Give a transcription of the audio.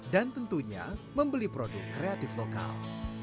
dan tentunya membeli produk kreatif lokal